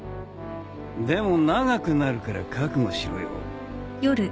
でも長くなるから覚悟しろよ。